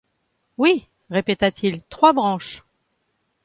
Oui! répéta-t-il, trois branches...